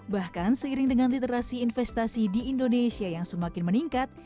bahkan seiring dengan literasi investasi di indonesia yang semakin meningkat